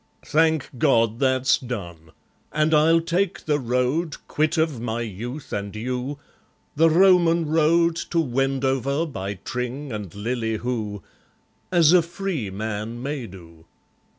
Thank God, that's done! and I'll take the road, Quit of my youth and you, The Roman road to Wendover By Tring and Lilley Hoo, As a free man may do.